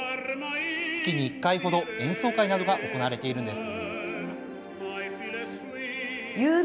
月に１回程演奏会などが行われています。